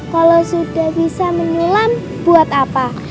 kalau sudah bisa menyulam buat apa